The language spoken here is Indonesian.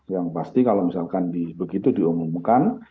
yang pasti kalau misalkan begitu diumumkan